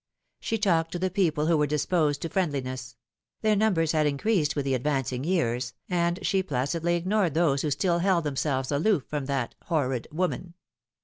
She talked to the people who were disposed to friendliness their numbers had increased with the advancing years and she placidly ignored those who still held themselves aloof from "that horrid woman."